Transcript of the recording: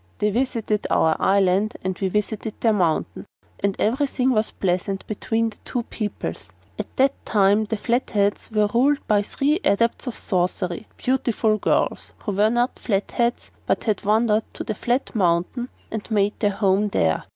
They visited our island and we visited their mountain, and everything was pleasant between the two peoples. At that time the Flatheads were ruled by three Adepts in Sorcery, beautiful girls who were not Flatheads, but had wandered to the Flat Mountain and made their home there.